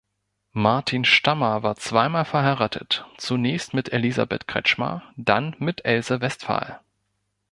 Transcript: Martin Stammer war zweimal verheiratet, zunächst mit "Elisabeth Kretzschmar", dann mit "Else Westphal".